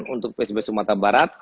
untuk psb sumatera barat